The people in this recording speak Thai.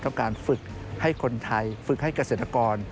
การฝึกให้คนไทยฝึกให้เกษตรกร